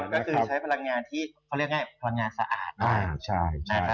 ก็คือใช้พลังงานที่เขาเรียกง่ายพลังงานสะอาด